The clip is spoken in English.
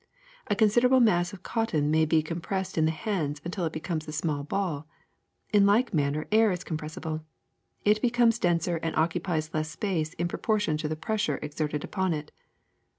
^^ A considerable mass of cotton may be compressed in the hands until it becomes a small ball. In like manner air is compressible: it becomes denser and occupies less space in proportion to the pressure exerted upon it.